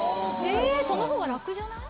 その方が楽じゃない？